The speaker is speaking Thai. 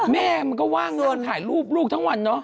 แม่มันก็ว่างเดินถ่ายรูปลูกทั้งวันเนาะ